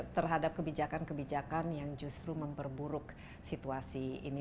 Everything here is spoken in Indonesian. terhadap kebijakan kebijakan yang justru memperburuk situasi ini